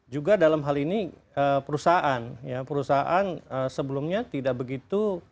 juga dalam hal ini perusahaan sebelumnya tidak begitu